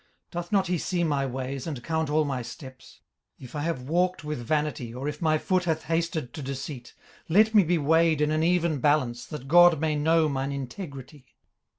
18:031:004 Doth not he see my ways, and count all my steps? 18:031:005 If I have walked with vanity, or if my foot hath hasted to deceit; 18:031:006 Let me be weighed in an even balance that God may know mine integrity.